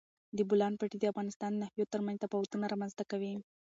د بولان پټي د افغانستان د ناحیو ترمنځ تفاوتونه رامنځ ته کوي.